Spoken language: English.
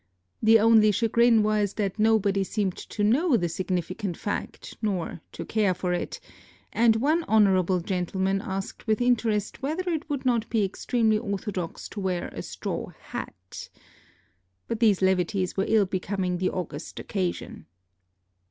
The only chagrin was that nobody seemed to know the significant fact nor to care for it; and one honorable gentleman asked with interest whether it would not be extremely orthodox to wear a straw hat. But these levities were ill becoming the august occasion.